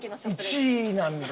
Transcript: １位なんだ！